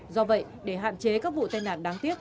do vậy để hạn chế các vụ tai nạn đáng tiếc